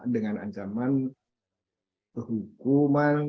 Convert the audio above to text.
dengan ancaman hukuman